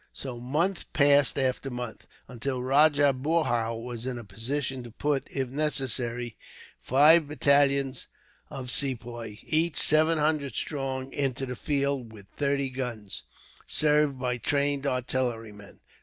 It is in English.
So month passed after month, until Rajah Boorhau was in a position to put, if necessary, five battalions of Sepoys, each seven hundred strong, into the field; with thirty guns, served by trained artillerymen.